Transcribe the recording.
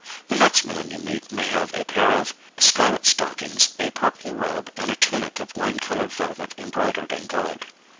The next man you meet may have a pair of scarlet stockings, a purple robe and a tunic of wine colored velvet embroidered in gold.